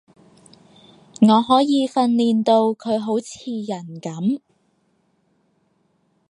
我可以訓練到佢好似人噉